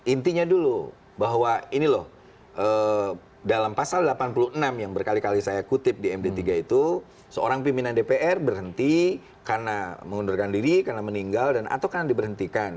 intinya dulu bahwa ini loh dalam pasal delapan puluh enam yang berkali kali saya kutip di md tiga itu seorang pimpinan dpr berhenti karena mengundurkan diri karena meninggal dan atau karena diberhentikan